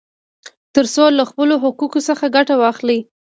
ترڅو له خپلو حقوقو څخه ګټه واخلي.